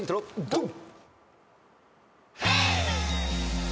ドン！